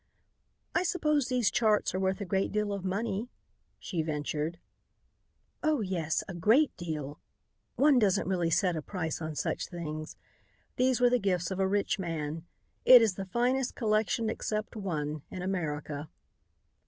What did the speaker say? "I suppose these charts are worth a great deal of money," she ventured. "Oh! yes. A great deal. One doesn't really set a price on such things. These were the gift of a rich man. It is the finest collection except one in America."